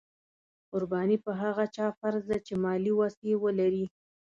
قرباني په هغه چا فرض ده چې مالي وس یې ولري.